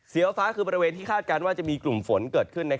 ฟ้าคือบริเวณที่คาดการณ์ว่าจะมีกลุ่มฝนเกิดขึ้น